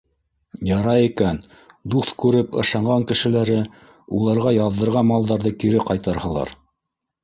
Ярай икән, дуҫ күреп ышанған кешеләре уларға яҙҙырған малдарҙы кире ҡайтарһалар...